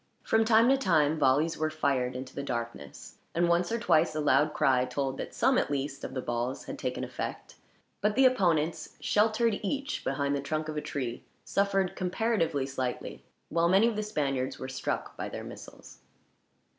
From time to time volleys were fired into the darkness; and once or twice a loud cry told that some, at least, of the balls had taken effect; but the opponents, sheltered each behind the trunk of a tree, suffered comparatively slightly, while many of the Spaniards were struck by their missiles.